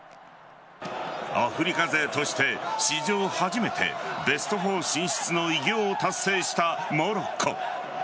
アフリカ勢として史上初めてベスト４進出の偉業を達成したモロッコ。